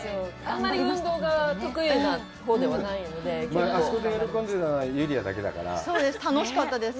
あんまり運動が得意なほうではないのであそこで喜んでたのは友莉亜だけだからそうです楽しかったです